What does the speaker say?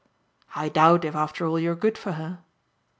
"I doubt if after all you're good for her."